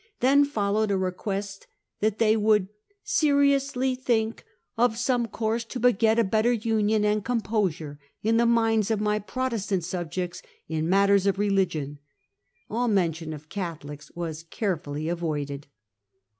Then followed a request that they would ' seriously think of some course to beget a better union and com posure in the minds of my Protestant subjects in matters of religion.* All mention of Catholics was carefully avoided.